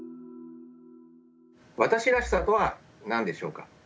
私らしさとは何でしょうか。